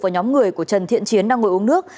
và nhóm người của trần thiện chiến đang ngồi uống nước